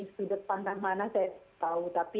sudut pandang mana saya tahu tapi